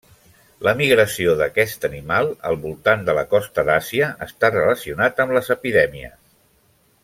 La migració d'aquest animal al voltant de la costa d'Àsia està relacionat amb les epidèmies.